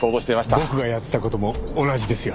僕がやってた事も同じですよ。